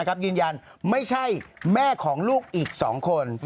ไอพัชรพรยืนยันจะไม่ใช่แม่ของลูกอีก๒คน